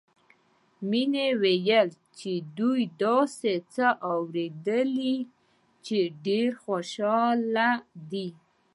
مينې وويل چې دوي داسې څه اورېدلي چې ډېرې خوشحاله دي